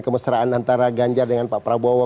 kemesraan antara ganjar dengan pak prabowo